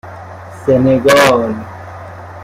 سنگال